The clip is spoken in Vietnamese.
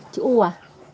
chữ u à